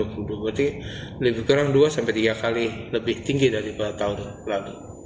berarti lebih kurang dua sampai tiga kali lebih tinggi daripada tahun lalu